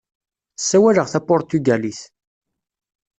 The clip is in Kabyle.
Ssawaleɣ tapuṛtugalit.